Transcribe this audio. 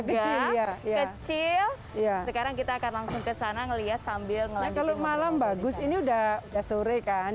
kecil ya sekarang kita akan langsung kesana melihat sambil ngelakuin malam bagus ini udah sore kan